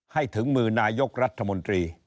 ถึงมือนายกรัฐมนตรี